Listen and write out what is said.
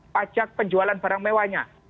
pajak penjualan barang mewanya